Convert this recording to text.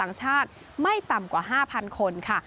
ไม่ต่ำกว่า๕๐๐๐คนค่ะ